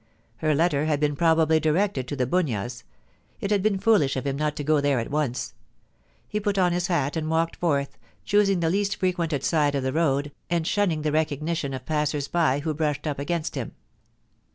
Her letter had been probably directed to The Bunyas ; it had been foolish of him not to go there at onca He put on his hat and walked forth, choosing the least frequented side of the road, and shunning the recognition of passers by who brushed up against him.